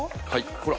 ほら！